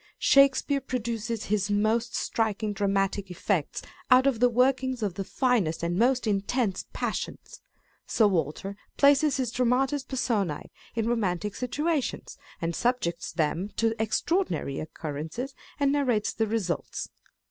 Shakespeare produces his most striking dramatic effects out of the workings of the finest and most intense passions ; Sir Walter places his dramatis personce in romantic situations, and subjects them to extraordinary occurrences, and narrates the results.